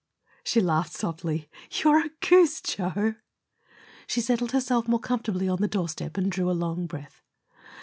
She laughed softly. "You're a goose, Joe!" She settled herself more comfortably on the doorstep and drew along breath.